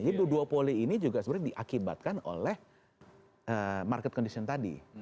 jadi duopoly ini juga sebenarnya diakibatkan oleh market condition tadi